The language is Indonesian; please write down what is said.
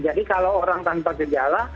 jadi kalau orang tanpa gejala